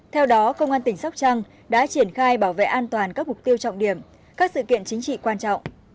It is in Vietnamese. theo đó công an tỉnh sóc trăng đã triển khai bảo vệ an toàn các mục tiêu trọng điểm các sự kiện chính trị quan trọng